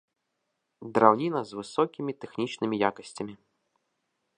Драўніна з высокімі тэхнічнымі якасцямі.